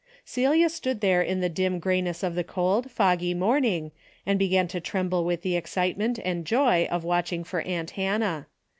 Celia stood there in the dim greyness of the cold, foggy morning and began to tremble with the excitement and joy of watching for aunt Hannah.